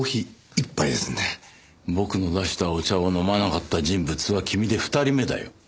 僕の出したお茶を飲まなかった人物は君で２人目だよ。